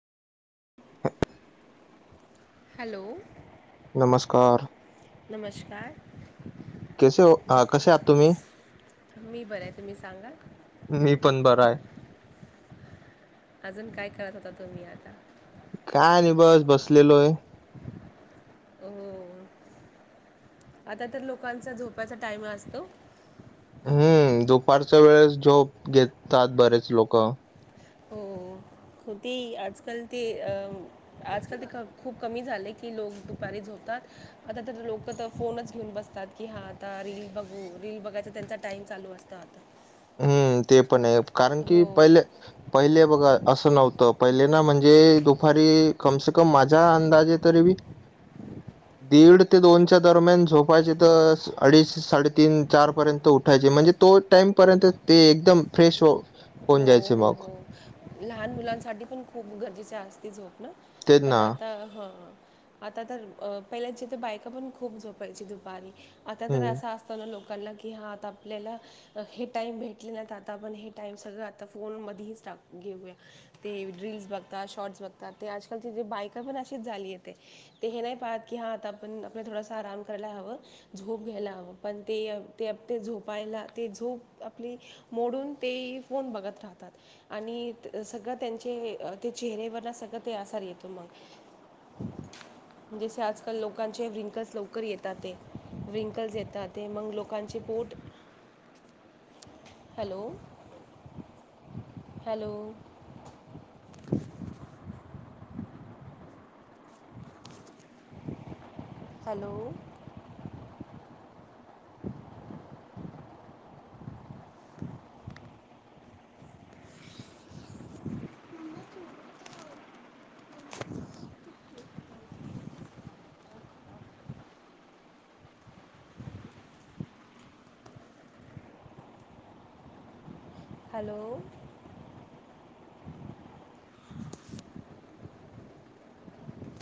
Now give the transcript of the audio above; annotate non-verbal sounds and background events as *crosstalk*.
*inaudible* Hello नमस्कार नमस्कार. कैसे हो अ आ कश्या आहात तुम्ही? मी बरं आहे. तुम्ही सांगा? मी पण बरं आहे. अजून काय करत होता तुम्ही आता? काय आणि बस बसलेलो आहे. हो. आता तर लोकांचा झोपाचा टाईम असतो. हम्म दुपारच्या वेळेस झोप घेतात बरेच लोकं. हो हो ती आजकाल ती आजकाल ते ख खूप कमी झाले की लोक दुपारी झोपतात आता तर लोक तर फोनच घेऊन बसतात. की हा आता रील बघू रील बघायच त्यांचा टाइम चालू असत आता. हम्म, ते पण हे कारण की हो पहिले पहिले बघा असं नव्हतं पहिले ना म्हणजे दुपारी कम से कम माझ्या अंदाजे तरी बी *inaudible* दीड ते दोनच्या दरम्यान झोपायचे तर अडीच साडेतीन चार पर्यंत उठायचे म्हणजे तो टाइम पर्यंत ते एकदम फ्रेश हो, होऊन हो जायचे हो मग. हो, लहान मुलांसाठी पण खूप गरजेचे असते झोप ना. तेच पण ना. आता हां ऽ आता तर, अं पहिल्याची तर बायका पन खूप झोपायची दुपारी, आता तर हं. असा असऽ लोकांना की हा आता आपल्याला हे टाईम भेटलेलेत आता आपण हे टाइम्स सगळं आता फोन मधीच टाक घेऊया. ते रिल्स बघतात, शॉर्ट्स बघतात, ते आजकालचे जे बायका पण अशीच झाली आहे ते. ते हे नाही पाहत की हां, आता आपण आपल्या थोडासा आराम करयला हवं. झोप घ्यायला हंवं, पण ते ते अप ते झोपायला, ते झोप आपली मोडुन ते फोन बघत राहतात. आणि सगळं त्यांचे, ते चेहरेवर सगळं ते असर येतो मग. *inaudible* जसे आजकाल लोकांचे रींकल्स लवकर येतात ते, रींकल्स येतात ते मग लोकांचे पोट, हॅलो? हॅलो? हॅलो? हॅलो?